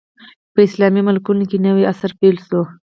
په اسلامي ملکونو کې نوی عصر پیل شو.